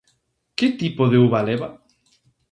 Que tipo de uva leva?